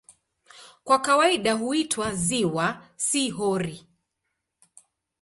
Kwa kawaida huitwa "ziwa", si "hori".